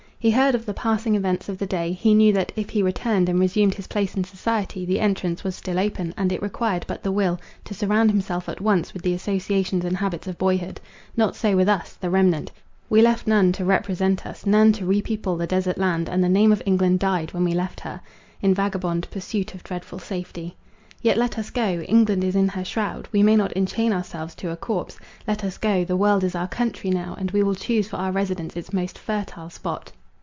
He heard of the passing events of the day; he knew that, if he returned, and resumed his place in society, the entrance was still open, and it required but the will, to surround himself at once with the associations and habits of boyhood. Not so with us, the remnant. We left none to represent us, none to repeople the desart land, and the name of England died, when we left her, In vagabond pursuit of dreadful safety. Yet let us go! England is in her shroud,—we may not enchain ourselves to a corpse. Let us go—the world is our country now, and we will choose for our residence its most fertile spot.